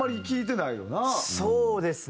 そうですね。